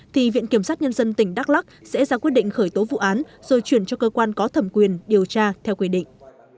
thì viện kiểm sát nhân dân tỉnh đắk lắc sẽ ra quyết định khởi tố vụ án rồi chuyển cho cơ quan có thẩm quyền điều tra theo quy định